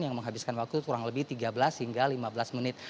yang menghabiskan waktu kurang lebih tiga belas hingga lima belas menit